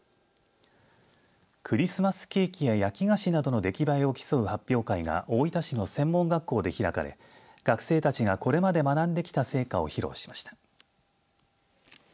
クリスマスケーキや焼菓子などの出来栄えを競う発表会が大分市の専門学校で開かれ学生たちがこれまで学んできた成果を披露しました。